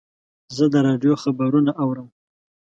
زه د راډیو خبرونه اورم.